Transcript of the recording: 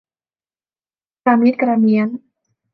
กระมิดกระเมี้ยน